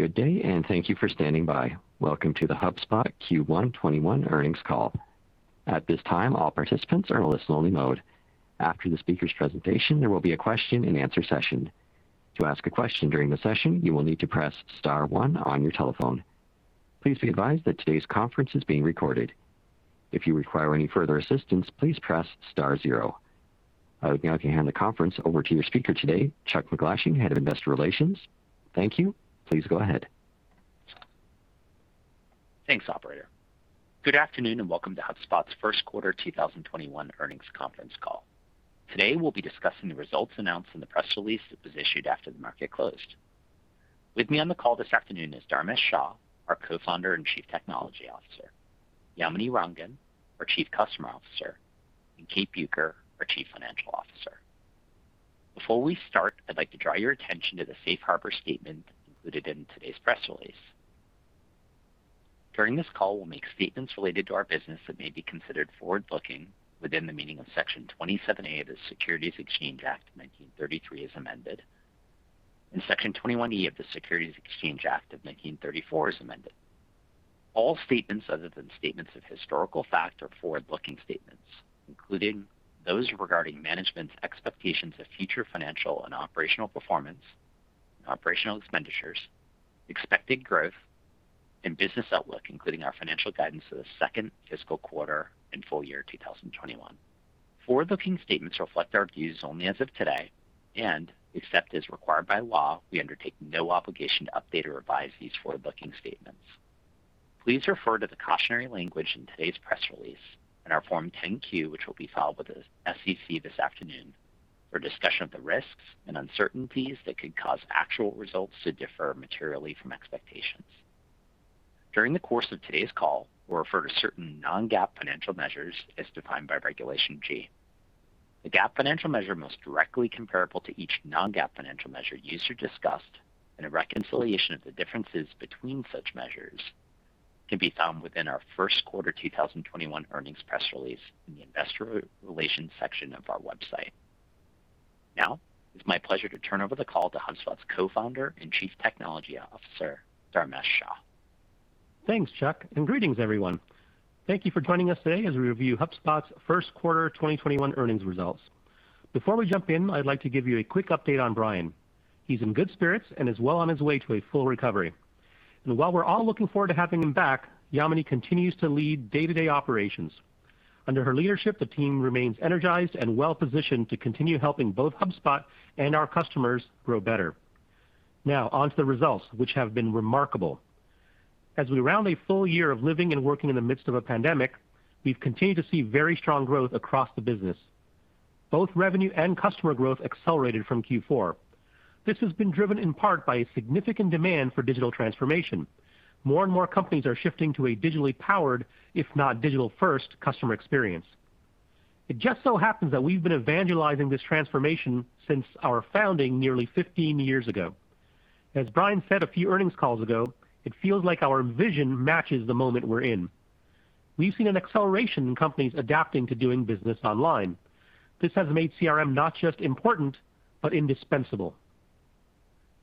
Good day, and thank you for standing by. Welcome to the HubSpot Q1 2021 earnings call. At this time all participant are in listen only mode. After the speaker's presentation, there will be a question and answer session. To ask a question during the session, you will need to press star one on your telephone. Please be advised that today's conference is being recorded. If you require further assistance, please press star zero. I would now like to hand the conference over to your speaker today, Chuck MacGlashing, Head of Investor Relations. Thank you. Please go ahead. Thanks, operator. Good afternoon, welcome to HubSpot's first quarter 2021 earnings conference call. Today, we'll be discussing the results announced in the press release that was issued after the market closed. With me on the call this afternoon is Dharmesh Shah, our Co-founder and Chief Technology Officer, Yamini Rangan, our Chief Customer Officer, and Kate Bueker, our Chief Financial Officer. Before we start, I'd like to draw your attention to the safe harbor statement included in today's press release. During this call, we'll make statements related to our business that may be considered forward-looking within the meaning of Section 27A of the Securities Act of 1933 as amended, and Section 21E of the Securities Exchange Act of 1934 as amended. All statements other than statements of historical fact are forward-looking statements, including those regarding management's expectations of future financial and operational performance, operational expenditures, expected growth, and business outlook, including our financial guidance for the second fiscal quarter and full year 2021. Forward-looking statements reflect our views only as of today, and except as required by law, we undertake no obligation to update or revise these forward-looking statements. Please refer to the cautionary language in today's press release and our Form 10-Q, which will be filed with the SEC this afternoon for discussion of the risks and uncertainties that could cause actual results to differ materially from expectations. During the course of today's call, we'll refer to certain non-GAAP financial measures as defined by Regulation G. The GAAP financial measure most directly comparable to each non-GAAP financial measure used or discussed, and a reconciliation of the differences between such measures can be found within our first quarter 2021 earnings press release in the investor relations section of our website. Now, it's my pleasure to turn over the call to HubSpot's Co-founder and Chief Technology Officer, Dharmesh Shah. Thanks, Chuck. Greetings, everyone. Thank you for joining us today as we review HubSpot's first quarter 2021 earnings results. Before we jump in, I'd like to give you a quick update on Brian. He's in good spirits and is well on his way to a full recovery. While we're all looking forward to having him back, Yamini continues to lead day-to-day operations. Under her leadership, the team remains energized and well-positioned to continue helping both HubSpot and our customers grow better. Now, onto the results, which have been remarkable. As we round a full year of living and working in the midst of a pandemic, we've continued to see very strong growth across the business. Both revenue and customer growth accelerated from Q4. This has been driven in part by a significant demand for digital transformation. More and more companies are shifting to a digitally powered, if not digital-first customer experience. It just so happens that we've been evangelizing this transformation since our founding nearly 15 years ago. As Brian said a few earnings calls ago, it feels like our vision matches the moment we're in. We've seen an acceleration in companies adapting to doing business online. This has made CRM not just important, but indispensable.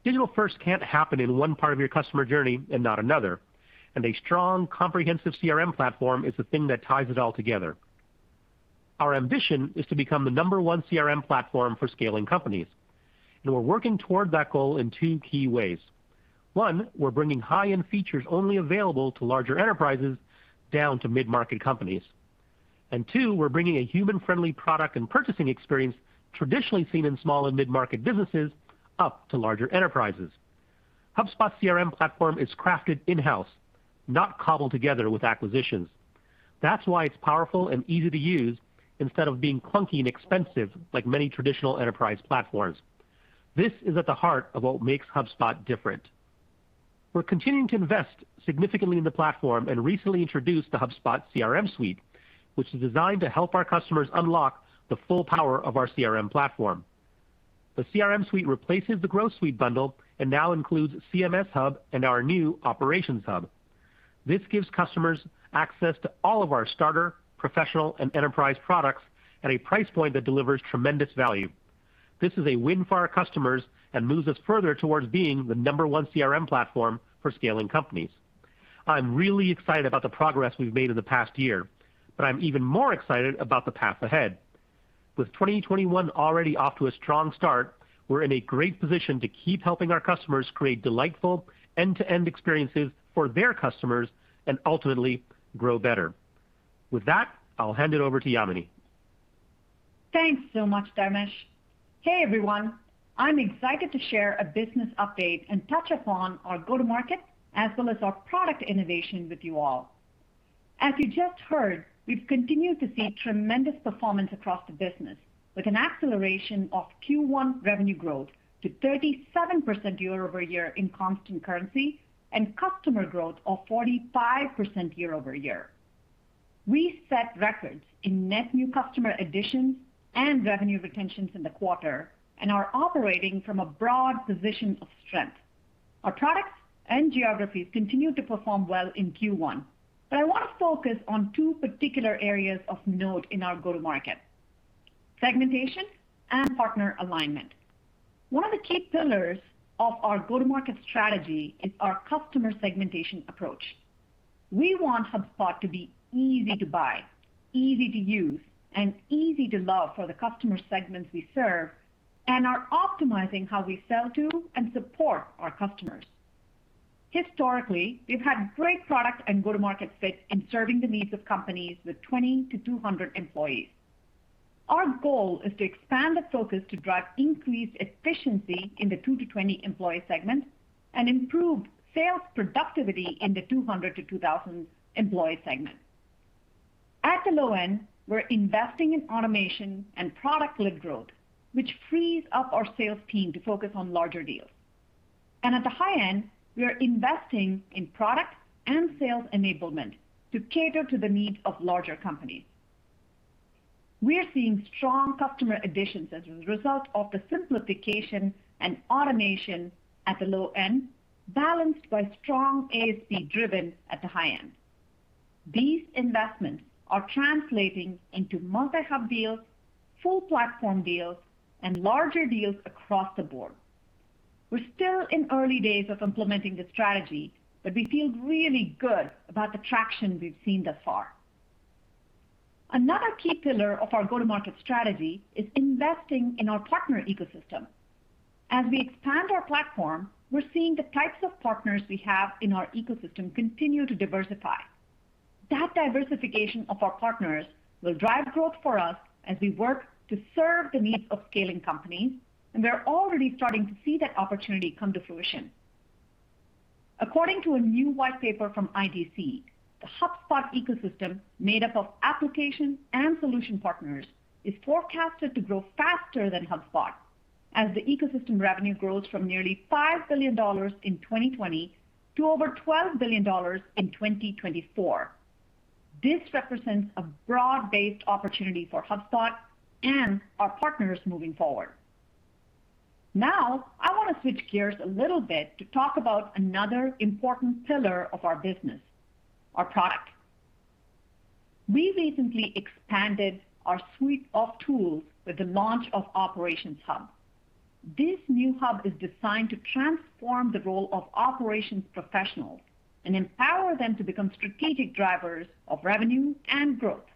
Digital first can't happen in one part of your customer journey and not another, and a strong, comprehensive CRM platform is the thing that ties it all together. Our ambition is to become the number one CRM platform for scaling companies, and we're working toward that goal in two key ways. One, we're bringing high-end features only available to larger enterprises down to mid-market companies. Two, we're bringing a human-friendly product and purchasing experience traditionally seen in small and mid-market businesses up to larger enterprises. HubSpot CRM platform is crafted in-house, not cobbled together with acquisitions. That's why it's powerful and easy to use instead of being clunky and expensive like many traditional enterprise platforms. This is at the heart of what makes HubSpot different. We're continuing to invest significantly in the platform and recently introduced the HubSpot CRM Suite, which is designed to help our customers unlock the full power of our CRM platform. The CRM Suite replaces the Growth Suite bundle and now includes CMS Hub and our new Operations Hub. This gives customers access to all of our starter, professional, and enterprise products at a price point that delivers tremendous value. This is a win for our customers and moves us further towards being the number one CRM platform for scaling companies. I'm really excited about the progress we've made in the past year. I'm even more excited about the path ahead. With 2021 already off to a strong start, we're in a great position to keep helping our customers create delightful end-to-end experiences for their customers and ultimately grow better. With that, I'll hand it over to Yamini. Thanks so much, Dharmesh. Hey, everyone. I'm excited to share a business update and touch upon our go-to-market as well as our product innovation with you all. As you just heard, we've continued to see tremendous performance across the business with an acceleration of Q1 revenue growth to 37% year-over-year in constant currency and customer growth of 45% year-over-year. We set records in net new customer additions and revenue retentions in the quarter and are operating from a broad position of strength. Our products and geographies continue to perform well in Q1. I want to focus on two particular areas of note in our go-to-market: Segmentation and partner alignment. One of the key pillars of our go-to-market strategy is our customer segmentation approach. We want HubSpot to be easy to buy, easy to use, and easy to love for the customer segments we serve, and are optimizing how we sell to and support our customers. Historically, we've had great product and go-to-market fit in serving the needs of companies with 20-200 employees. Our goal is to expand the focus to drive increased efficiency in the 2-20 employee segment, and improve sales productivity in the 200-2,000 employee segment. At the low end, we're investing in automation and product-led growth, which frees up our sales team to focus on larger deals. At the high end, we are investing in product and sales enablement to cater to the needs of larger companies. We are seeing strong customer additions as a result of the simplification and automation at the low end, balanced by strong ASRPC driven at the high end. These investments are translating into multi-hub deals, full platform deals, and larger deals across the board. We're still in early days of implementing the strategy, but we feel really good about the traction we've seen thus far. Another key pillar of our go-to-market strategy is investing in our partner ecosystem. As we expand our platform, we're seeing the types of partners we have in our ecosystem continue to diversify. That diversification of our partners will drive growth for us as we work to serve the needs of scaling companies, and we're already starting to see that opportunity come to fruition. According to a new white paper from IDC, the HubSpot ecosystem, made up of application and solution partners, is forecasted to grow faster than HubSpot as the ecosystem revenue grows from nearly $5 billion in 2020 to over $12 billion in 2024. This represents a broad-based opportunity for HubSpot and our partners moving forward. Now, I want to switch gears a little bit to talk about another important pillar of our business, our product. We recently expanded our suite of tools with the launch of Operations Hub. This new hub is designed to transform the role of operations professionals and empower them to become strategic drivers of revenue and growth.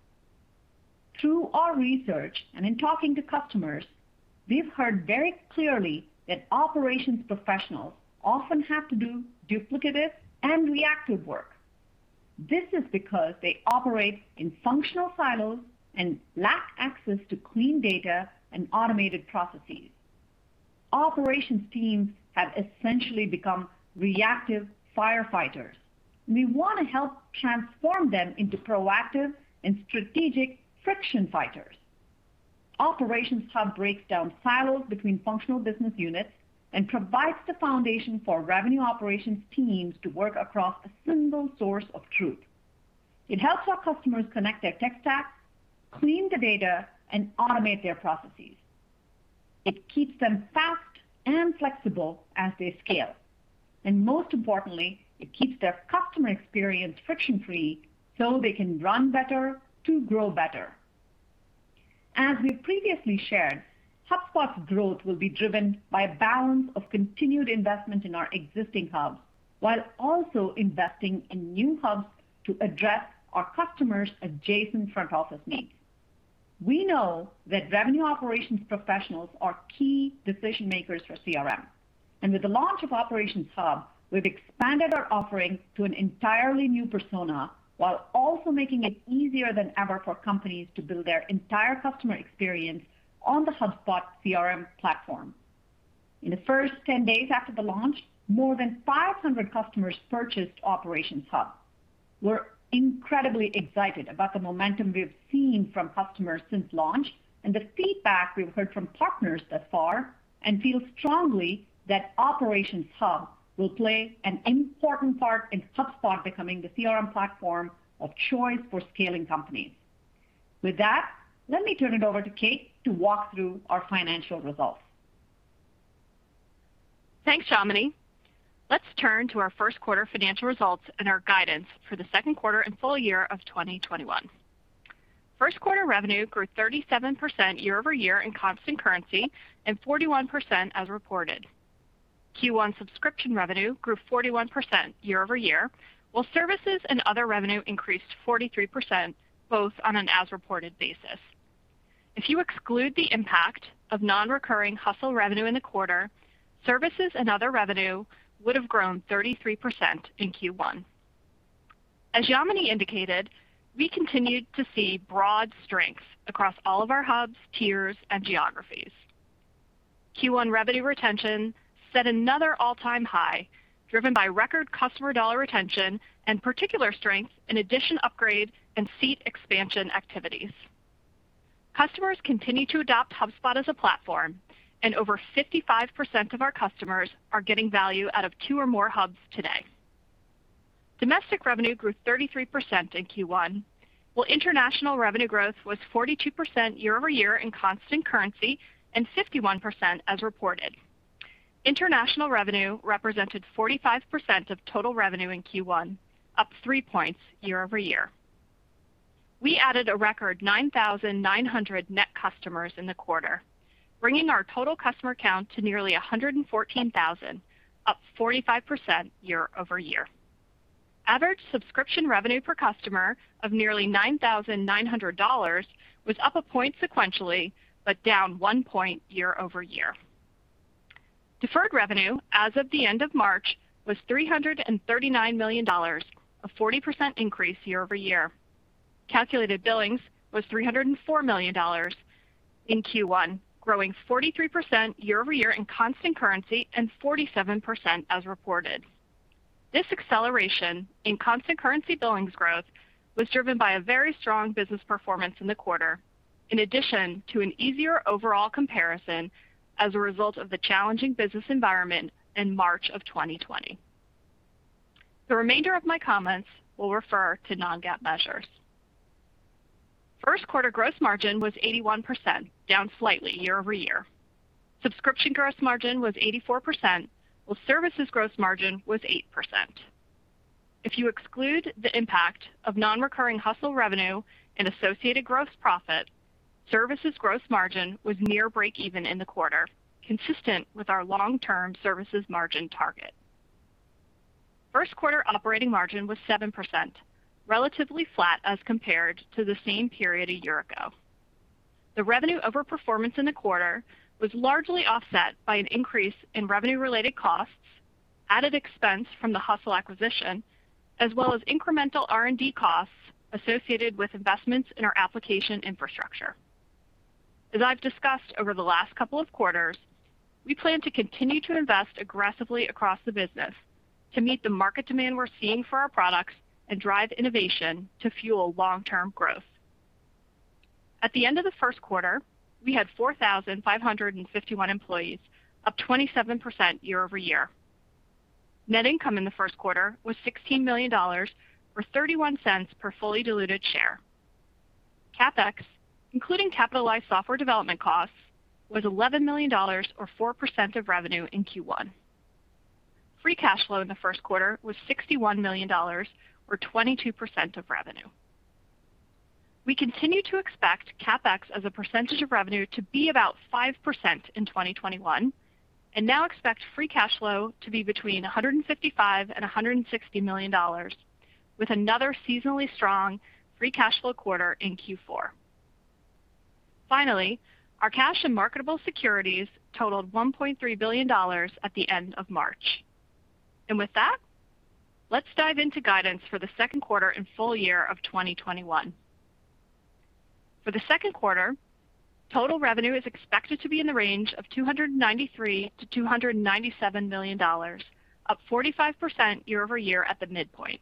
Through our research and in talking to customers, we've heard very clearly that operations professionals often have to do duplicative and reactive work. This is because they operate in functional silos and lack access to clean data and automated processes. Operations teams have essentially become reactive firefighters. We want to help transform them into proactive and strategic friction fighters. Operations Hub breaks down silos between functional business units and provides the foundation for revenue operations teams to work across a single source of truth. It helps our customers connect their tech stack, clean the data, and automate their processes. Most importantly, it keeps their customer experience friction-free so they can run better to grow better. As we've previously shared, HubSpot's growth will be driven by a balance of continued investment in our existing hubs while also investing in new hubs to address our customers' adjacent front office needs. We know that revenue operations professionals are key decision-makers for CRM, and with the launch of Operations Hub, we've expanded our offering to an entirely new persona, while also making it easier than ever for companies to build their entire customer experience on the HubSpot CRM platform. In the first 10 days after the launch, more than 500 customers purchased Operations Hub. We're incredibly excited about the momentum we've seen from customers since launch and the feedback we've heard from partners thus far, and feel strongly that Operations Hub will play an important part in HubSpot becoming the CRM platform of choice for scaling companies. With that, let me turn it over to Kate to walk through our financial results. Thanks, Yamini. Let's turn to our first quarter financial results and our guidance for the second quarter and full year of 2021. First quarter revenue grew 37% year-over-year in constant currency, and 41% as reported. Q1 subscription revenue grew 41% year-over-year, while services and other revenue increased 43%, both on an as reported basis. If you exclude the impact of non-recurring The Hustle revenue in the quarter, services and other revenue would have grown 33% in Q1. As Yamini indicated, we continued to see broad strength across all of our Hubs, tiers, and geographies. Q1 revenue retention set another all-time high, driven by record customer dollar retention and particular strength in addition, upgrade, and seat expansion activities. Customers continue to adopt HubSpot as a platform, and over 55% of our customers are getting value out of two or more Hubs today. Domestic revenue grew 33% in Q1, while international revenue growth was 42% year-over-year in constant currency, and 51% as reported. International revenue represented 45% of total revenue in Q1, up three points year-over-year. We added a record 9,900 net customers in the quarter, bringing our total customer count to nearly 114,000, up 45% year-over-year. Average subscription revenue per customer of nearly $9,900 was up a point sequentially, but down one point year-over-year. Deferred revenue as of the end of March was $339 million, a 40% increase year-over-year. Calculated billings was $304 million in Q1, growing 43% year-over-year in constant currency and 47% as reported. This acceleration in constant currency billings growth was driven by a very strong business performance in the quarter, in addition to an easier overall comparison as a result of the challenging business environment in March of 2020. The remainder of my comments will refer to non-GAAP measures. First quarter gross margin was 81%, down slightly year-over-year. Subscription gross margin was 84%, while services gross margin was 8%. If you exclude the impact of non-recurring The Hustle revenue and associated gross profit, services gross margin was near breakeven in the quarter, consistent with our long-term services margin target. First quarter operating margin was 7%, relatively flat as compared to the same period a year ago. The revenue overperformance in the quarter was largely offset by an increase in revenue-related costs, added expense from The Hustle acquisition, as well as incremental R&D costs associated with investments in our application infrastructure. As I've discussed over the last couple of quarters, we plan to continue to invest aggressively across the business to meet the market demand we're seeing for our products and drive innovation to fuel long-term growth. At the end of the first quarter, we had 4,551 employees, up 27% year-over-year. Net income in the first quarter was $16 million, or $0.31 per fully diluted share. CapEx, including capitalized software development costs, was $11 million, or 4% of revenue in Q1. Free cash flow in the first quarter was $61 million, or 22% of revenue. We continue to expect CapEx as a percentage of revenue to be about 5% in 2021, and now expect free cash flow to be between $155 million and $160 million, with another seasonally strong free cash flow quarter in Q4. Finally, our cash and marketable securities totaled $1.3 billion at the end of March. With that, let's dive into guidance for the second quarter and full year of 2021. For the second quarter, total revenue is expected to be in the range of $293 million-$297 million, up 45% year-over-year at the midpoint.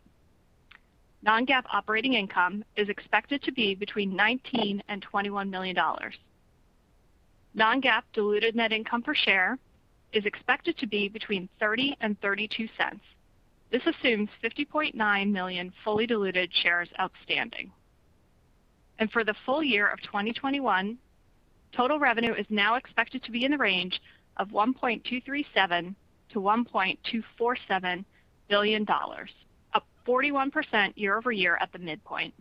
Non-GAAP operating income is expected to be between $19 million and $21 million. Non-GAAP diluted net income per share is expected to be between $0.30 and $0.32. This assumes 50.9 million fully diluted shares outstanding. For the full year of 2021, total revenue is now expected to be in the range of $1.237 billion-$1.247 billion, up 41% year-over-year at the midpoint.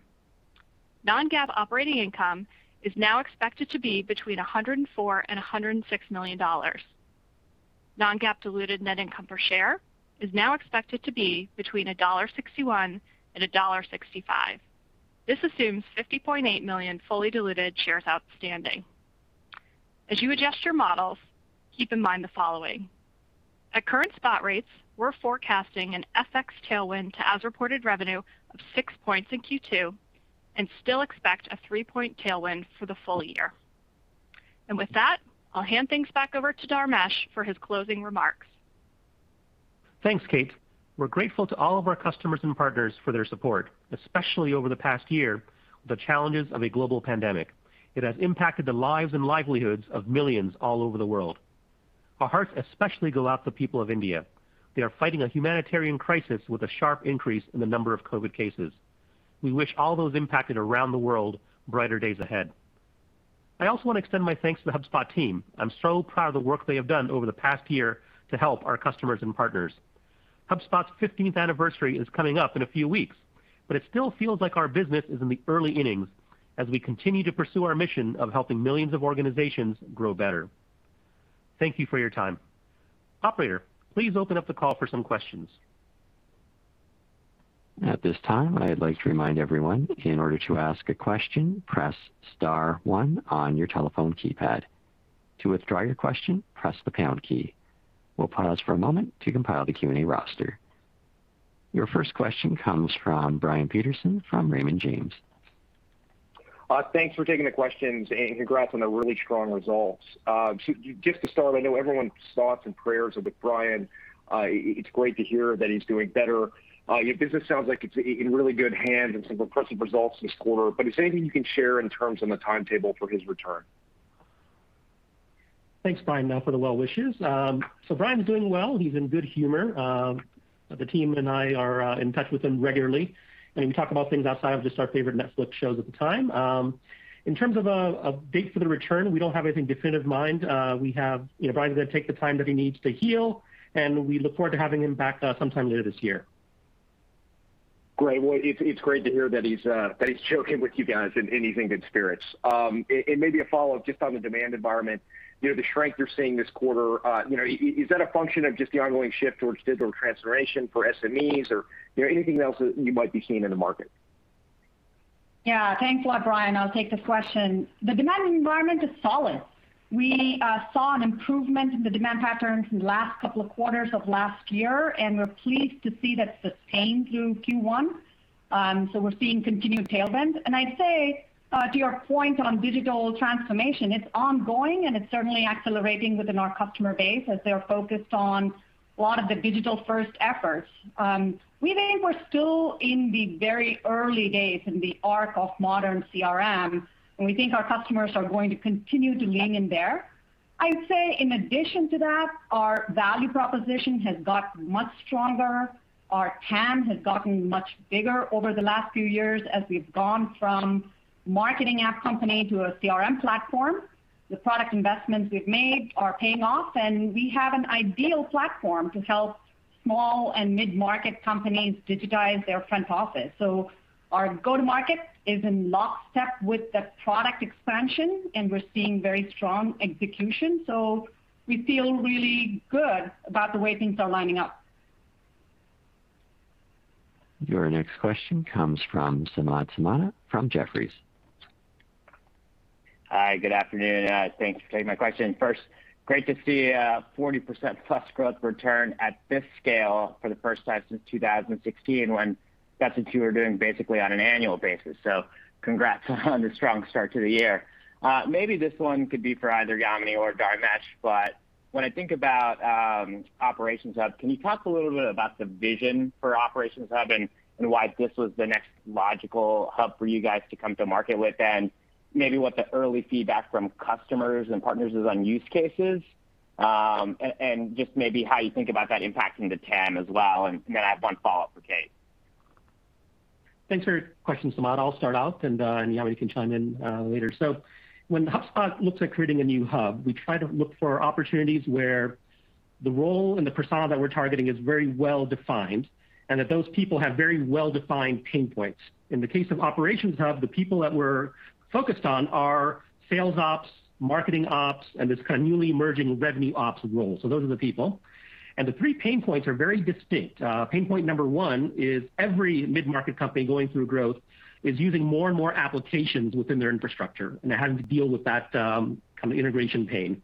Non-GAAP operating income is now expected to be between $104 million and $106 million. Non-GAAP diluted net income per share is now expected to be between $1.61 and $1.65. This assumes 50.8 million fully diluted shares outstanding. As you adjust your models, keep in mind the following. At current spot rates, we're forecasting an FX tailwind to as-reported revenue of six points in Q2 and still expect a three-point tailwind for the full year. With that, I'll hand things back over to Dharmesh for his closing remarks. Thanks, Kate. We're grateful to all of our customers and partners for their support, especially over the past year with the challenges of a global pandemic. It has impacted the lives and livelihoods of millions all over the world. Our hearts especially go out to the people of India. They are fighting a humanitarian crisis with a sharp increase in the number of COVID cases. We wish all those impacted around the world brighter days ahead. I also want to extend my thanks to the HubSpot team. I'm so proud of the work they have done over the past year to help our customers and partners. HubSpot's 15th anniversary is coming up in a few weeks, but it still feels like our business is in the early innings as we continue to pursue our mission of helping millions of organizations grow better. Thank you for your time. Operator, please open up the call for some questions. At this time I would like to remind everyone in order to ask a question, press star one on your telephone keypad. To withdraw your question, press the pound key. We'll pause for a moment to compile the Q&A roster. Your first question comes from Brian Peterson from Raymond James. Thanks for taking the questions, and congrats on the really strong results. Just to start, I know everyone's thoughts and prayers are with Brian. It's great to hear that he's doing better. Your business sounds like it's in really good hands and some impressive results this quarter. Is there anything you can share in terms of the timetable for his return? Thanks, Brian, for the well wishes. Brian's doing well. He's in good humor. The team and I are in touch with him regularly, and we talk about things outside of just our favorite Netflix shows at the time. In terms of a date for the return, we don't have anything definitive in mind. Brian's going to take the time that he needs to heal, and we look forward to having him back sometime later this year. Great. Well, it's great to hear that he's joking with you guys and he's in good spirits. Maybe a follow-up just on the demand environment. The strength you're seeing this quarter, is that a function of just the ongoing shift towards digital transformation for SMEs? Anything else that you might be seeing in the market? Yeah. Thanks a lot, Brian. I'll take the question. The demand environment is solid. We saw an improvement in the demand patterns in the last couple of quarters of last year, and we're pleased to see that sustained through Q1. We're seeing continued tailwinds. I'd say, to your point on digital transformation, it's ongoing, and it's certainly accelerating within our customer base as they are focused on a lot of the digital-first efforts. We think we're still in the very early days in the arc of modern CRM, and we think our customers are going to continue to lean in there. I'd say in addition to that, our value proposition has got much stronger. Our TAM has gotten much bigger over the last few years as we've gone from marketing app company to a CRM platform. The product investments we've made are paying off, and we have an ideal platform to help small and mid-market companies digitize their front office. Our go to market is in lockstep with the product expansion, and we're seeing very strong execution. We feel really good about the way things are lining up. Your next question comes from Samad Samana from Jefferies. Hi, good afternoon. Thanks for taking my question. First, great to see a 40%+ growth return at this scale for the first time since 2016, when that's what you were doing basically on an annual basis. Congrats on the strong start to the year. Maybe this one could be for either Yamini or Dharmesh, but when I think about Operations Hub, can you talk a little bit about the vision for Operations Hub and why this was the next logical hub for you guys to come to market with? Maybe what the early feedback from customers and partners is on use cases, and just maybe how you think about that impacting the TAM as well. I have one follow-up for Kate. Thanks for your question, Samad. I'll start out, and Yamini can chime in later. When HubSpot looks at creating a new hub, we try to look for opportunities where the role and the persona that we're targeting is very well-defined, and that those people have very well-defined pain points. In the case of Operations Hub, the people that we're focused on are sales ops, marketing ops, and this kind of newly emerging revenue ops role. Those are the people. The three pain points are very distinct. Pain point number one is every mid-market company going through growth is using more and more applications within their infrastructure, and they're having to deal with that kind of integration pain.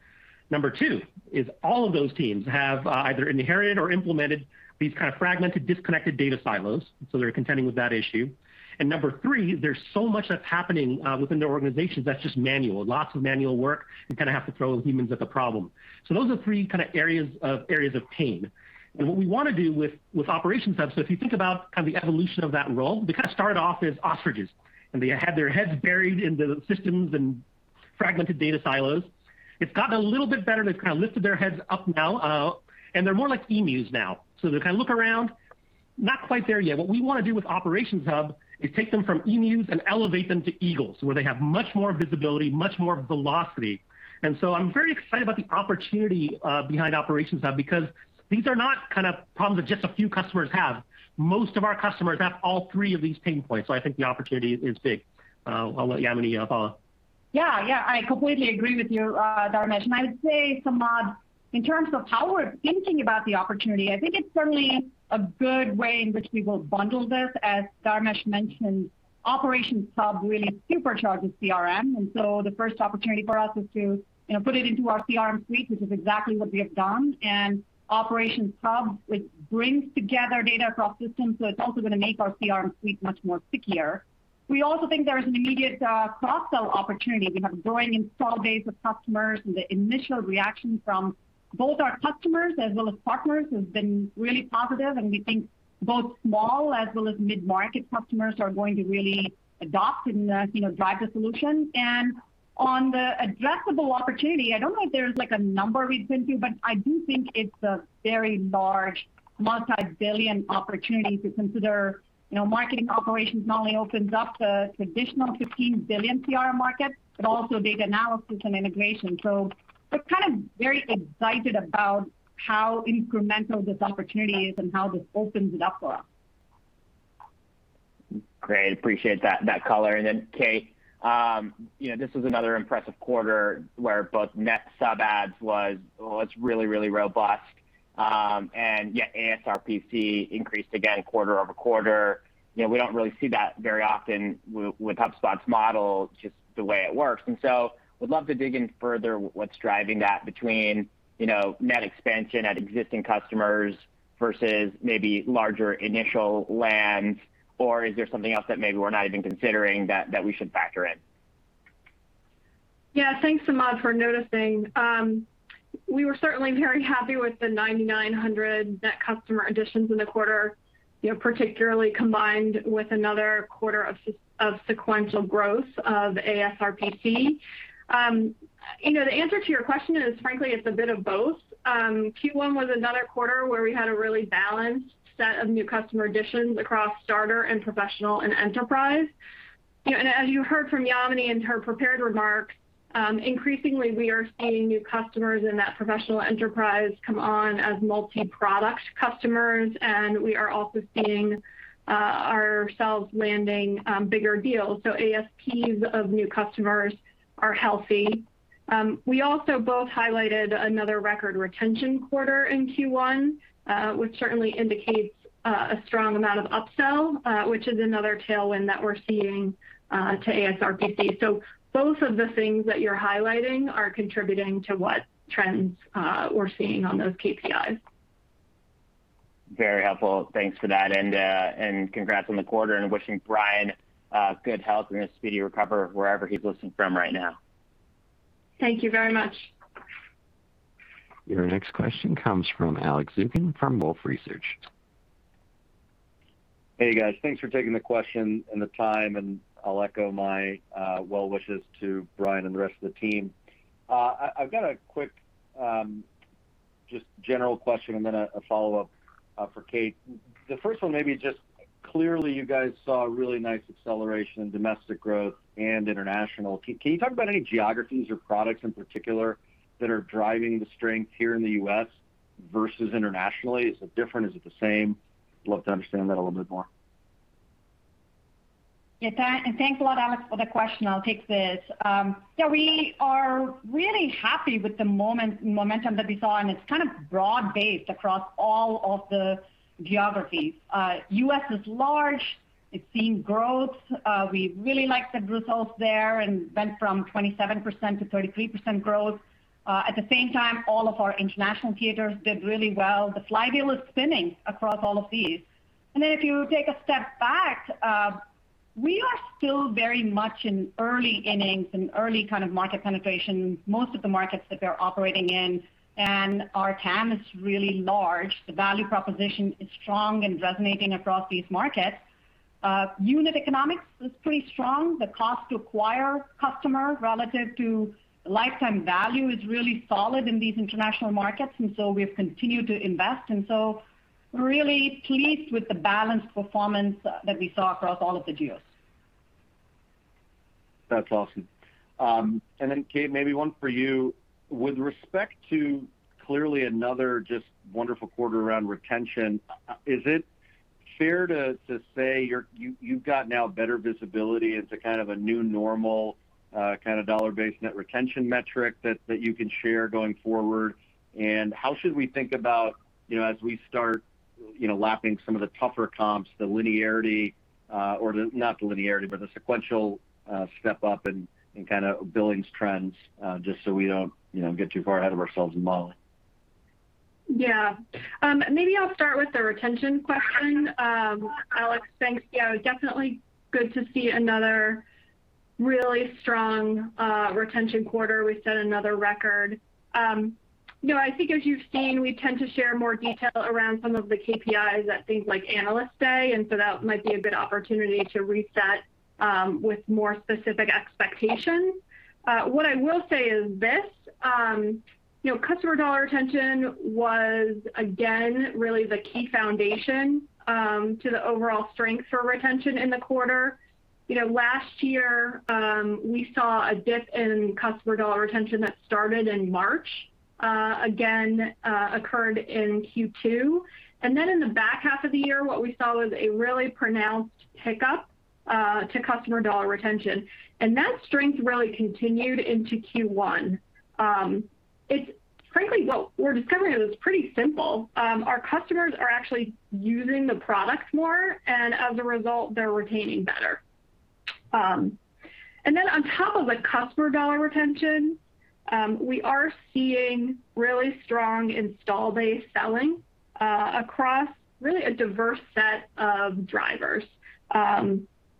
Number two is all of those teams have either inherited or implemented these kind of fragmented, disconnected data silos, so they're contending with that issue. Number three, there's so much that's happening within their organizations that's just manual. Lots of manual work, and kind of have to throw humans at the problem. Those are three areas of pain. What we want to do with Operations Hub, so if you think about the evolution of that role, they kind of started off as ostriches, and they had their heads buried in the systems and fragmented data silos. It's gotten a little bit better. They've kind of lifted their heads up now, and they're more like emus now. They kind of look around, not quite there yet. What we want to do with Operations Hub is take them from emus and elevate them to eagles, where they have much more visibility, much more velocity. I'm very excited about the opportunity behind Operations Hub because these are not problems that just a few customers have. Most of our customers have all three of these pain points. I think the opportunity is big. I'll let Yamini follow. Yeah. I completely agree with you, Dharmesh. I would say, Samad, in terms of how we're thinking about the opportunity, I think it's certainly a good way in which we will bundle this. As Dharmesh mentioned, Operations Hub really supercharges CRM, and so the first opportunity for us is to put it into our CRM suite, which is exactly what we have done. Operations Hub, which brings together data across systems, so it's also going to make our CRM suite much more stickier. We also think there is an immediate cross-sell opportunity. We have growing install base of customers, and the initial reaction from both our customers as well as partners has been really positive, and we think both small as well as mid-market customers are going to really adopt and drive the solution. On the addressable opportunity, I don't know if there's a number we'd pin to, but I do think it's a very large multi-billion opportunity to consider marketing operations not only opens up the traditional $15 billion CRM market, but also data analysis and integration. We're kind of very excited about how incremental this opportunity is and how this opens it up for us. Great. Appreciate that color. Kate, this was another impressive quarter where both net sub adds was really, really robust. ASRPC increased again quarter-over-quarter. We don't really see that very often with HubSpot's model, just the way it works. Would love to dig in further what's driving that between net expansion at existing customers versus maybe larger initial lands, or is there something else that maybe we're not even considering that we should factor in? Yeah. Thanks, Samad, for noticing. We were certainly very happy with the 9,900 net customer additions in the quarter, particularly combined with another quarter of sequential growth of ASRPC. The answer to your question is, frankly, it's a bit of both. Q1 was another quarter where we had a really balanced set of new customer additions across Starter and Professional and Enterprise. As you heard from Yamini in her prepared remarks, increasingly we are seeing new customers in that professional enterprise come on as multi-product customers, and we are also seeing ourselves landing bigger deals. ASPs of new customers are healthy. We also both highlighted another record retention quarter in Q1, which certainly indicates a strong amount of upsell, which is another tailwind that we're seeing to ASRPC. Both of the things that you're highlighting are contributing to what trends we're seeing on those KPIs. Very helpful. Thanks for that and congrats on the quarter, and wishing Brian good health and a speedy recovery wherever he's listening from right now. Thank you very much. Your next question comes from Alex Zukin from Wolfe Research. Hey, guys. Thanks for taking the question and the time. I'll echo my well wishes to Brian and the rest of the team. I've got a quick just general question and then a follow-up for Kate. The first one, maybe just clearly you guys saw a really nice acceleration in domestic growth and international. Can you talk about any geographies or products in particular that are driving the strength here in the U.S. versus internationally? Is it different? Is it the same? Love to understand that a little bit more. Yeah, thanks a lot, Alex, for the question. I'll take this. Yeah, we are really happy with the momentum that we saw, and it's kind of broad-based across all of the geographies. U.S. is large. It's seeing growth. We really like the results there and went from 27%-33% growth. At the same time, all of our international theaters did really well. The flywheel is spinning across all of these. If you take a step back, we are still very much in early innings and early kind of market penetration, most of the markets that we're operating in and our TAM is really large. The value proposition is strong and resonating across these markets. Unit economics is pretty strong. The cost to acquire customer relative to lifetime value is really solid in these international markets, and so we've continued to invest. We're really pleased with the balanced performance that we saw across all of the geos. That's awesome. Kate, maybe one for you. With respect to clearly another just wonderful quarter around retention, is it fair to say you've got now better visibility into kind of a new normal kind of dollar-based net retention metric that you can share going forward? How should we think about as we start lapping some of the tougher comps, the linearity or not the linearity, but the sequential step-up and kind of billings trends, just so we don't get too far ahead of ourselves in modeling? Maybe I'll start with the retention question, Alex. Thanks. Definitely good to see another really strong retention quarter. We set another record. I think as you've seen, we tend to share more detail around some of the KPIs at things like Analyst Day, that might be a good opportunity to reset with more specific expectations. What I will say is this, customer dollar retention was again really the key foundation to the overall strength for retention in the quarter. Last year, we saw a dip in customer dollar retention that started in March, again occurred in Q2, in the back half of the year, what we saw was a really pronounced pickup to customer dollar retention, that strength really continued into Q1. Frankly, what we're discovering is it's pretty simple. Our customers are actually using the product more. As a result, they're retaining better. On top of the customer dollar retention, we are seeing really strong install base selling across really a diverse set of drivers.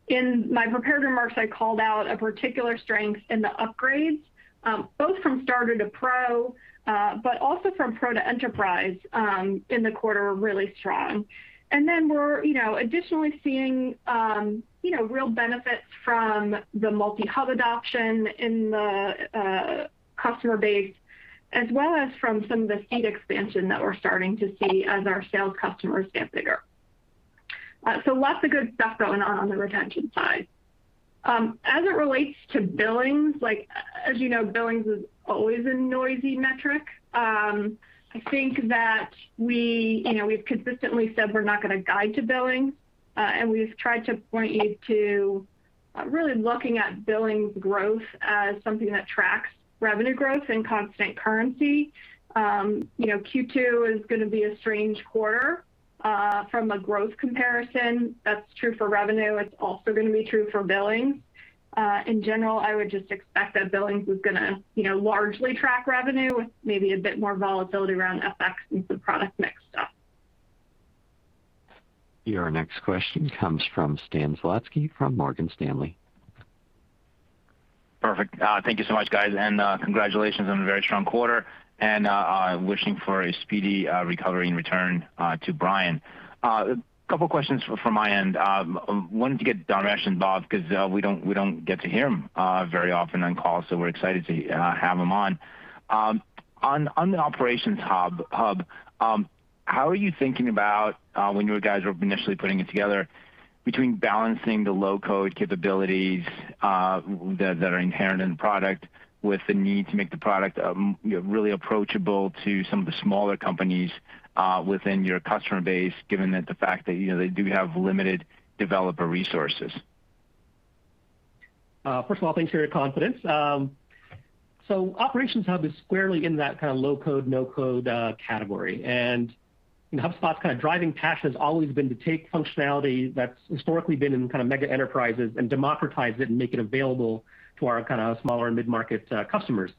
In my prepared remarks, I called out a particular strength in the upgrades, both from Starter to Pro, but also from Pro to Enterprise in the quarter really strong. We're additionally seeing real benefits from the multi-hub adoption in the customer base, as well as from some of the seat expansion that we're starting to see as our Sales customers get bigger. Lots of good stuff going on on the retention side. As it relates to billings, like as you know, billings is always a noisy metric. I think that we've consistently said we're not going to guide to billings, and we've tried to point you to really looking at billings growth as something that tracks revenue growth and constant currency. Q2 is going to be a strange quarter from a growth comparison. That's true for revenue. It's also going to be true for billings. In general, I would just expect that billings is going to largely track revenue with maybe a bit more volatility around FX and some product mix stuff. Your next question comes from Stan Zlotsky from Morgan Stanley. Perfect. Thank you so much, guys, and congratulations on a very strong quarter, and wishing for a speedy recovery and return to Brian. A couple questions from my end. I wanted to get Dharmesh involved because we don't get to hear him very often on calls, so we're excited to have him on. On the Operations Hub. How are you thinking about, when you guys were initially putting it together, between balancing the low-code capabilities that are inherent in the product with the need to make the product really approachable to some of the smaller companies within your customer base, given that the fact that they do have limited developer resources? First of all, thanks for your confidence. Operations Hub is squarely in that low-code, no-code category. HubSpot's driving passion has always been to take functionality that's historically been in mega enterprises and democratize it and make it available to our smaller and mid-market customers.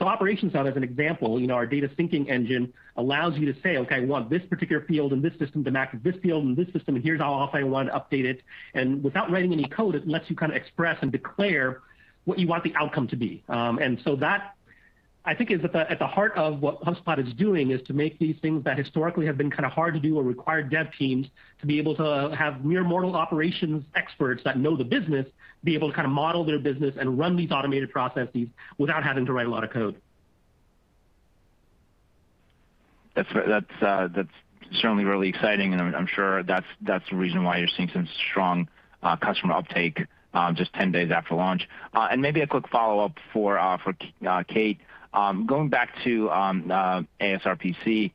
Operations Hub, as an example, our data syncing engine allows you to say, "Okay, we want this particular field in this system to match with this field in this system, and here's how often I want to update it." Without writing any code, it lets you express and declare what you want the outcome to be. That, I think, is at the heart of what HubSpot is doing, is to make these things that historically have been hard to do or require dev teams, to be able to have mere mortal operations experts that know the business, be able to model their business and run these automated processes without having to write a lot of code. That's certainly really exciting, and I'm sure that's the reason why you're seeing some strong customer uptake just 10 days after launch. Maybe a quick follow-up for Kate. Going back to ASRPC, it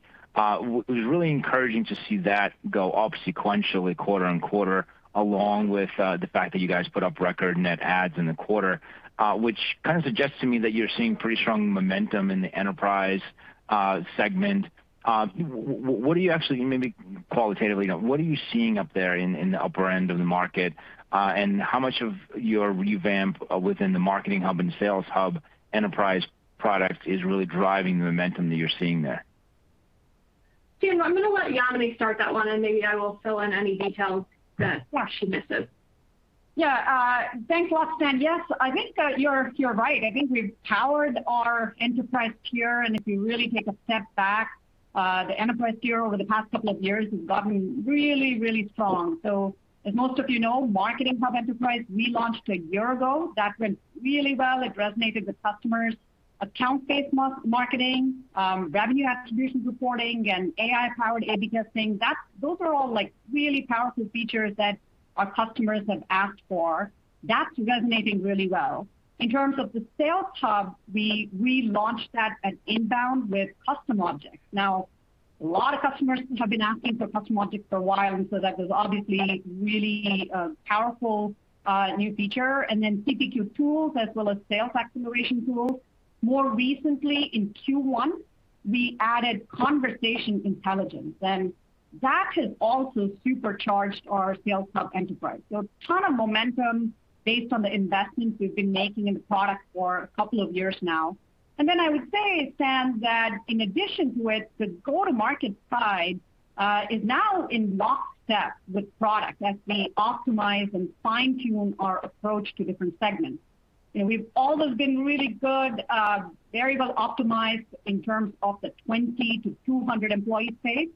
was really encouraging to see that go up sequentially quarter-on-quarter, along with the fact that you guys put up record net adds in the quarter, which suggests to me that you're seeing pretty strong momentum in the enterprise segment. What are you actually, maybe qualitatively, what are you seeing up there in the upper end of the market? How much of your revamp within the Marketing Hub and Sales Hub enterprise product is really driving the momentum that you're seeing there? Stan, I'm going to let Yamini start that one, and maybe I will fill in any details that she misses. Thanks a lot, Stan. I think that you're right. I think we've powered our enterprise tier, and if you really take a step back, the enterprise tier over the past couple of years has gotten really, really strong. As most of you know, Marketing Hub Enterprise, we launched a year ago. That went really well. It resonated with customers. account-based marketing, revenue attribution reporting, and AI-powered A/B testing, those are all really powerful features that our customers have asked for. That's resonating really well. In terms of the Sales Hub, we launched that at INBOUND with custom objects. A lot of customers have been asking for custom objects for a while, and so that was obviously a really powerful new feature. CPQ tools as well as sales acceleration tools. More recently, in Q1, we added conversation intelligence, that has also supercharged our Sales Hub Enterprise. A ton of momentum based on the investments we've been making in the product for a couple of years now. I would say, Stan, that in addition to it, the go-to-market side is now in lockstep with product as we optimize and fine-tune our approach to different segments. We've always been really good, very well optimized in terms of the 20-200 employee space.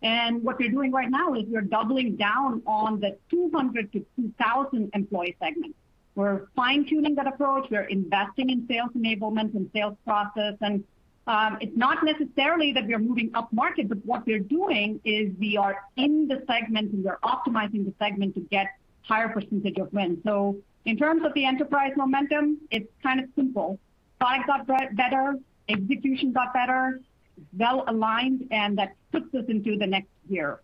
What we're doing right now is we're doubling down on the 200-2,000 employee segment. We're fine-tuning that approach. We're investing in sales enablement and sales process. It's not necessarily that we're moving upmarket, but what we're doing is we are in the segment, and we're optimizing the segment to get a higher percentage of wins. In terms of the enterprise momentum, it's kind of simple. Size got better, execution got better, well-aligned, and that puts us into the next year.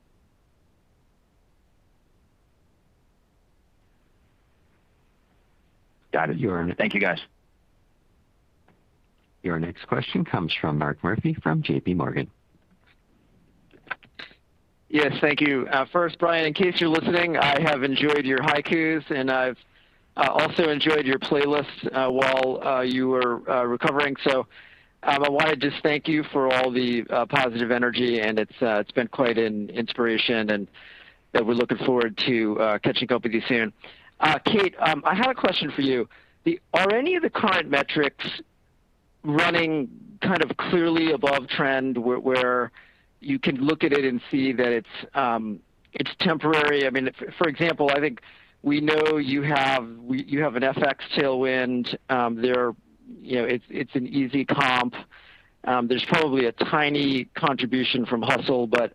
Got it. Thank you, guys. Your next question comes from Mark Murphy from JPMorgan. Yes. Thank you. First, Brian, in case you're listening, I have enjoyed your haikus, and I've also enjoyed your playlist while you were recovering. I want to just thank you for all the positive energy, and it's been quite an inspiration, and that we're looking forward to catching up with you soon. Kate, I had a question for you. Are any of the current metrics running clearly above trend, where you can look at it and see that it's temporary? For example, I think we know you have an FX tailwind. It's an easy comp. There's probably a tiny contribution from Hustle, but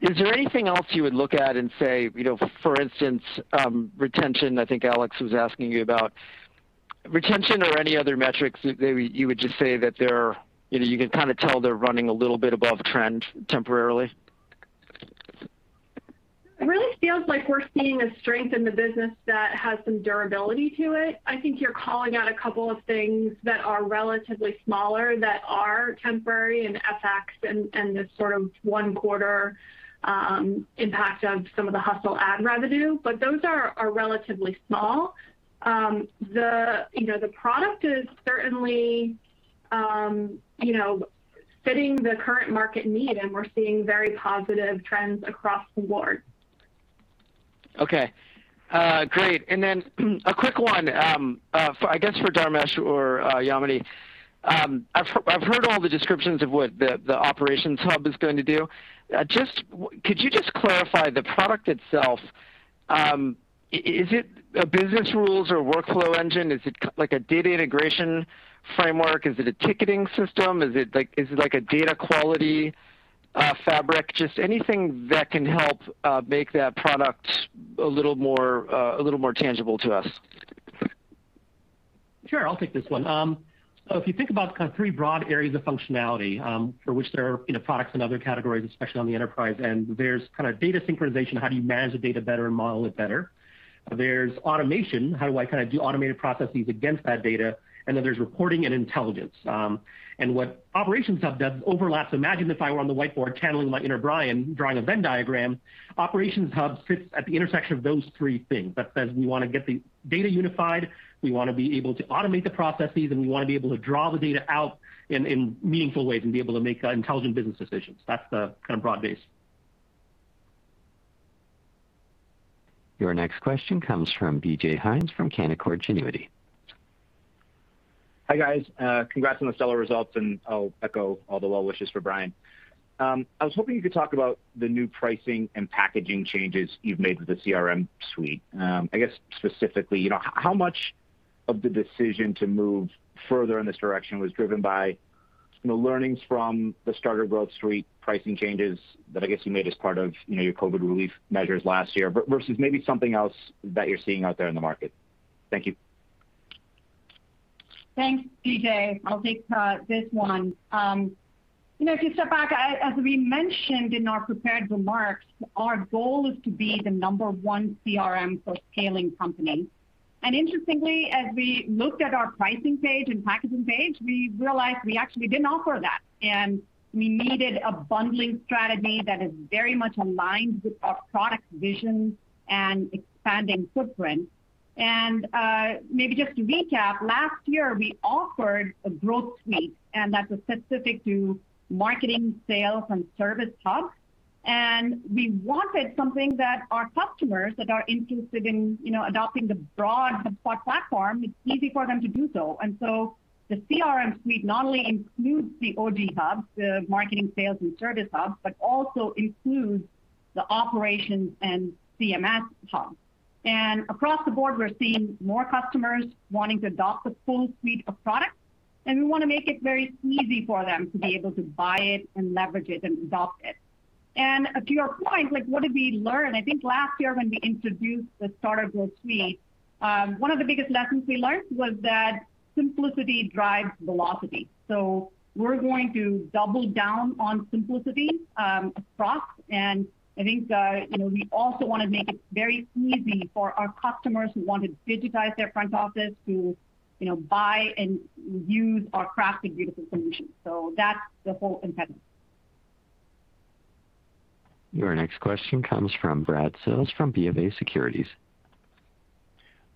is there anything else you would look at and say, for instance, retention, I think Alex was asking you about. Retention or any other metrics that maybe you would just say that you can tell they're running a little bit above trend temporarily? It really feels like we're seeing a strength in the business that has some durability to it. I think you're calling out a couple of things that are relatively smaller that are temporary in FX and this sort of 1/4 impact of some of The Hustle ad revenue. Those are relatively small. The product is certainly fitting the current market need, and we're seeing very positive trends across the board. Okay. Great. A quick one, I guess, for Dharmesh or Yamini. I've heard all the descriptions of what the Operations Hub is going to do. Could you just clarify the product itself? Is it a business rules or workflow engine? Is it like a data integration framework? Is it a ticketing system? Is it like a data quality fabric? Just anything that can help make that product a little more tangible to us. Sure. I'll take this one. If you think about kind of three broad areas of functionality, for which there are products in other categories, especially on the enterprise end. There's data synchronization, how do you manage the data better and model it better? There's automation, how do I do automated processes against that data? Then there's reporting and intelligence. What Operations Hub does overlaps. Imagine if I were on the whiteboard channeling my inner Brian, drawing a Venn diagram. Operations Hub sits at the intersection of those three things. That says we want to get the data unified, we want to be able to automate the processes, and we want to be able to draw the data out in meaningful ways and be able to make intelligent business decisions. That's the kind of broad base. Your next question comes from DJ Hynes from Canaccord Genuity. Hi, guys. Congrats on the stellar results. I'll echo all the well wishes for Brian. I was hoping you could talk about the new pricing and packaging changes you've made with the CRM Suite. I guess specifically, how much of the decision to move further in this direction was driven by learnings from the Starter Growth Suite pricing changes that I guess you made as part of your COVID relief measures last year, versus maybe something else that you're seeing out there in the market? Thank you. Thanks, DJ. I'll take this one. If you step back, as we mentioned in our prepared remarks, our goal is to be the number one CRM for scaling companies. Interestingly, as we looked at our pricing page and packaging page, we realized we actually didn't offer that, and we needed a bundling strategy that is very much aligned with our product vision and expanding footprint. Maybe just to recap, last year we offered a Growth Suite, and that's specific to Marketing, Sales, and Service Hub. We wanted something that our customers that are interested in adopting the broad HubSpot platform, it's easy for them to do so. The CRM Suite not only includes the OG hubs, the Marketing, Sales, and Service Hub, but also includes the Operations and CMS Hub. Across the board, we're seeing more customers wanting to adopt the full suite of products, and we want to make it very easy for them to be able to buy it and leverage it and adopt it. To your point, what did we learn? I think last year when we introduced the Starter Growth Suite, one of the biggest lessons we learned was that simplicity drives velocity. We're going to double down on simplicity, across, and I think we also want to make it very easy for our customers who want to digitize their front office to buy and use our crafted beautiful solutions. That's the whole intent. Your next question comes from Brad Sills from BofA Securities.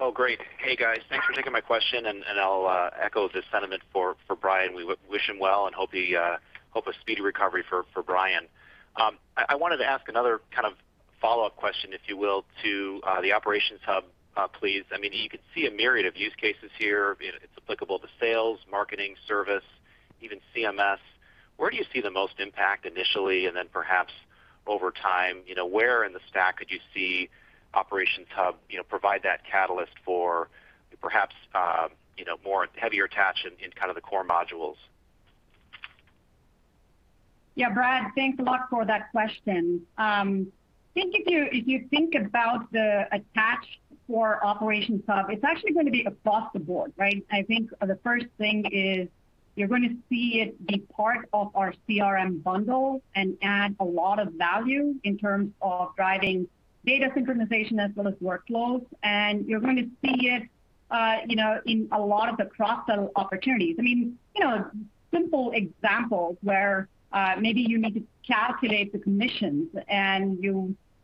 Oh, great. Hey guys, thanks for taking my question, and I'll echo the sentiment for Brian. We wish him well and hope a speedy recovery for Brian. I wanted to ask another kind of follow-up question, if you will, to the Operations Hub, please. You could see a myriad of use cases here. It's applicable to Sales, Marketing, Service, even CMS. Where do you see the most impact initially, and then perhaps over time, where in the stack could you see Operations Hub provide that catalyst for perhaps heavier attach in kind of the core modules? Brad, thanks a lot for that question. I think if you think about the attach for Operations Hub, it's actually going to be across the board, right? I think the first thing is you're going to see it be part of our CRM bundle and add a lot of value in terms of driving data synchronization as well as workflows. You're going to see it in a lot of the cross-sell opportunities. Simple examples where maybe you need to calculate the commissions and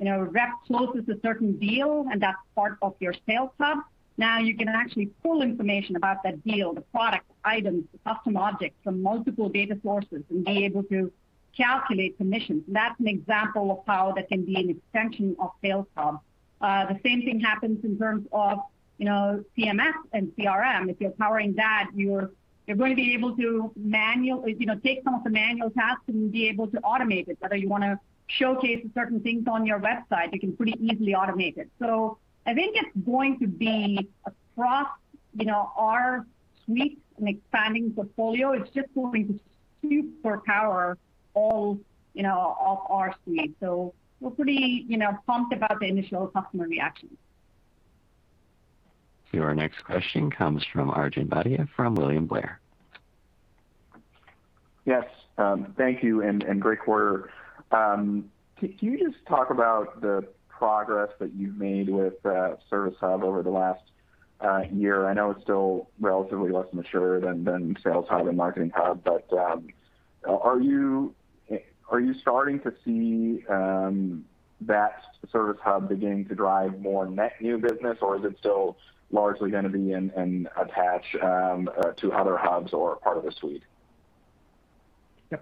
a rep closes a certain deal and that's part of your Sales Hub. You can actually pull information about that deal, the product, items, the custom objects from multiple data sources and be able to calculate commissions, and that's an example of how that can be an extension of Sales Hub. The same thing happens in terms of CMS and CRM. If you're powering that, you're going to be able to take some of the manual tasks and be able to automate it. Whether you want to showcase certain things on your website, you can pretty easily automate it. I think it's going to be across our suites and expanding portfolio. It's just going to superpower all of our suites. We're pretty pumped about the initial customer reactions. Your next question comes from Arjun Bhatia from William Blair. Yes. Thank you, and great quarter. Can you just talk about the progress that you've made with Service Hub over the last year? I know it's still relatively less mature than Sales Hub and Marketing Hub, but are you starting to see that Service Hub beginning to drive more net new business or is it still largely going to be an attach to other hubs or part of the suite?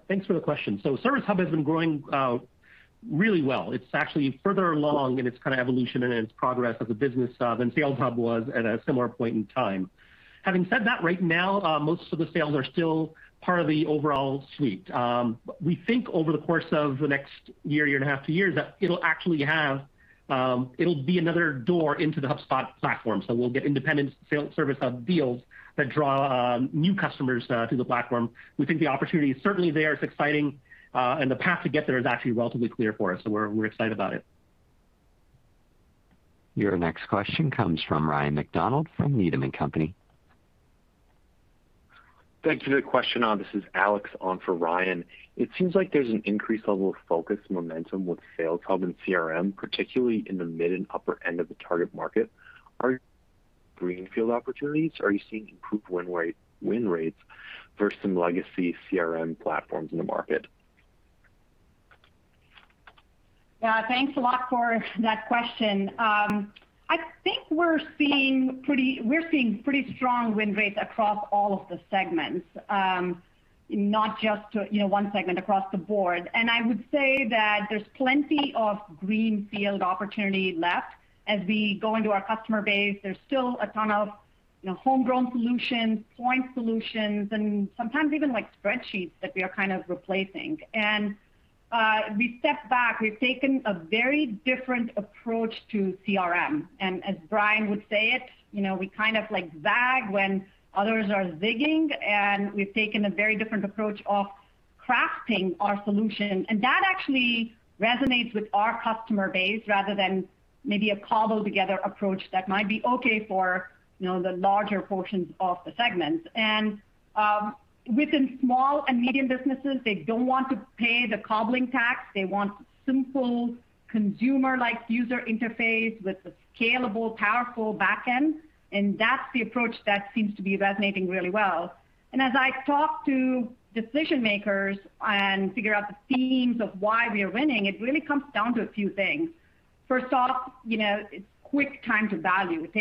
Thanks for the question. Service Hub has been growing really well. It's actually further along in its kind of evolution and in its progress as a business than Sales Hub was at a similar point in time. Having said that, right now, most of the sales are still part of the overall suite. We think over the course of the next year and a half to two years, that it'll be another door into the HubSpot platform. We'll get independent Service Hub deals that draw new customers to the platform. We think the opportunity is certainly there. It's exciting. The path to get there is actually relatively clear for us, so we're excited about it. Your next question comes from Ryan MacDonald from Needham & Company. Thank you. Question. This is Alex on for Ryan. It seems like there's an increased level of focus momentum with Sales Hub and CRM, particularly in the mid and upper end of the target market. Are greenfield opportunities? Are you seeing improved win rates versus some legacy CRM platforms in the market? Yeah, thanks a lot for that question. I think we're seeing pretty strong win rates across all of the segments. Not just one segment, across the board. I would say that there's plenty of greenfield opportunity left as we go into our customer base. There's still a ton of homegrown solutions, point solutions, and sometimes even spreadsheets that we are replacing. We've stepped back. We've taken a very different approach to CRM. As Brian would say it, we kind of zag when others are zigging, and we've taken a very different approach of crafting our solution. That actually resonates with our customer base rather than maybe a cobble-together approach that might be okay for the larger portions of the segments. Within small and medium businesses, they don't want to pay the cobbling tax. They want simple, consumer-like user interface with a scalable, powerful backend, and that's the approach that seems to be resonating really well. As I talk to decision-makers and figure out the themes of why we are winning, it really comes down to a few things. First off, it's quick time to value. It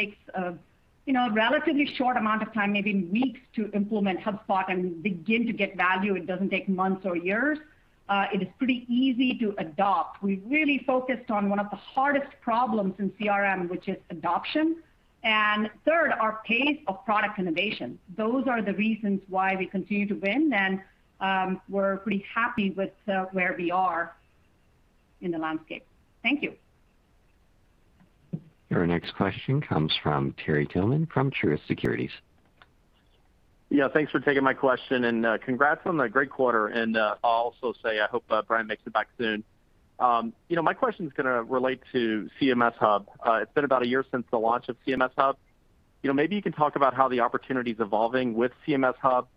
takes a relatively short amount of time, maybe weeks, to implement HubSpot and begin to get value. It doesn't take months or years. It is pretty easy to adopt. We've really focused on one of the hardest problems in CRM, which is adoption. And third, our pace of product innovation. Those are the reasons why we continue to win. We're pretty happy with where we are in the landscape. Thank you. Your next question comes from Terry Tillman from Truist Securities. Yeah, thanks for taking my question, and congrats on the great quarter. I'll also say, I hope Brian makes it back soon. My question's going to relate to CMS Hub. It's been about a year since the launch of CMS Hub. Maybe you can talk about how the opportunity's evolving with CMS Hub.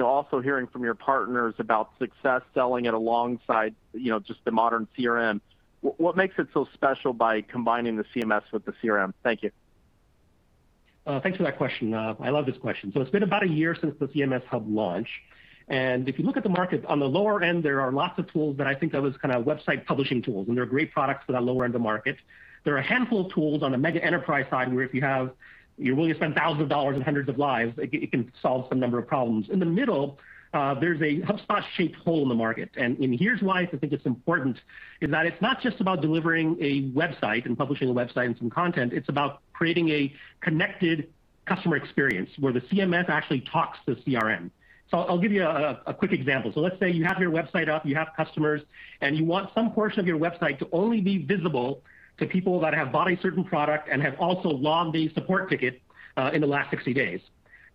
Also hearing from your partners about success selling it alongside just the modern CRM. What makes it so special by combining the CMS with the CRM? Thank you. Thanks for that question. I love this question. It's been about a year since the CMS Hub launch, and if you look at the market, on the lower end, there are lots of tools that I think of as kind of website publishing tools, and they're great products for that lower end of market. There are a handful of tools on the mega enterprise side where if you're willing to spend thousands of dollars and hundreds of lives, it can solve some number of problems. In the middle, there's a HubSpot-shaped hole in the market. Here's why I think it's important, is that it's not just about delivering a website and publishing a website and some content, it's about creating a connected customer experience where the CMS actually talks to CRM. I'll give you a quick example. Let's say you have your website up, you have customers, and you want some portion of your website to only be visible to people that have bought a certain product and have also logged a support ticket, in the last 60 days.